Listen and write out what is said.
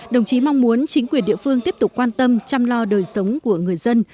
đồng chí mong muốn chính quyền địa phương tiếp tục quan tâm chăm lo đời sống của người dân